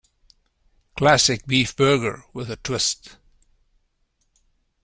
Classic beef burger, with a twist.